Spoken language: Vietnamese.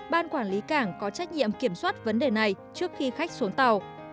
ban quản lý cảng có trách nhiệm kiểm soát vấn đề này trước khi khách xuống tàu